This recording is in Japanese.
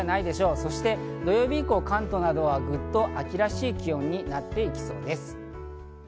そして土曜日以降、関東などはぐっと秋らしい気温になっていきそうです。